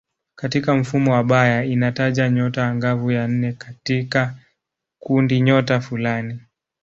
Katika mfumo wa Bayer inataja nyota angavu ya nne katika kundinyota fulani.